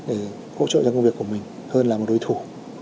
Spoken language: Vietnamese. để hỗ trợ cho công việc của mình hơn là một đối thủ